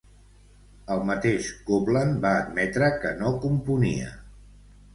El mateix Copland va admetre que no componia.